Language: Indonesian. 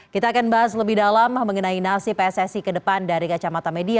kita akan bahas lebih dalam mengenai nasib pssi ke depan dari kacamata media